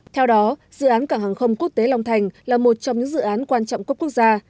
theo đó dự án cảng hàng không quốc tế long thành là một trong những dự án quan trọng cấp quốc gia